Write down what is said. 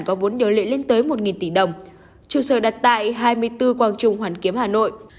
có vốn điều lệ lên tới một tỷ đồng trụ sở đặt tại hai mươi bốn quang trung hoàn kiếm hà nội